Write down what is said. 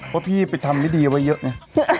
ว่าพี่ไปทำไม่ดีไว้เยอะเนี่ย